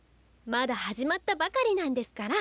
まだ始まったばかりなんですから。